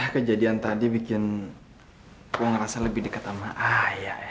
kejadian tadi bikin gue ngerasa lebih dekat sama ayah ya